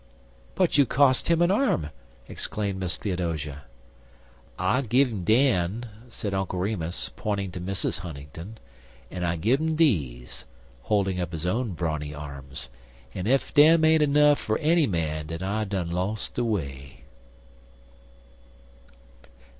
"But you cost him an arm," exclaimed Miss Theodosia. "I gin 'im dem," said Uncle Remus, pointing to Mrs. Huntingdon, "en I gin 'im deze" holding up his own brawny arms. "En ef dem ain't nuff fer enny man den I done los' de way."